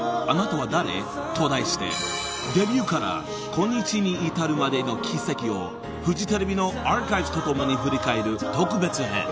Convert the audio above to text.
あなたは誰」と題してデビューから今日に至るまでの軌跡をフジテレビのアーカイブスとともに振り返る特別編］